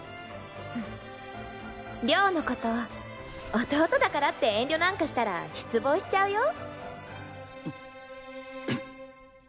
亮のこと弟だからって遠慮なんかしたら失望しちゃうよ。